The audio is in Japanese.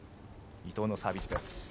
伊藤のサービスです。